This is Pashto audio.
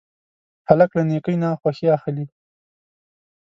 هلک له نیکۍ نه خوښي اخلي.